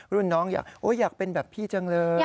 รุ่นน้องอยากเป็นแบบพี่จังเลย